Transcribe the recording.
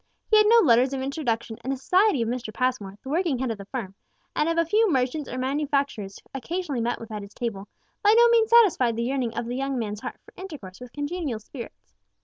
He had had no letters of introduction, and the society of Mr. Passmore, the working head of the firm, and of a few merchants and manufacturers occasionally met with at his table, by no means satisfied the yearning of the young man's heart for intercourse with congenial spirits.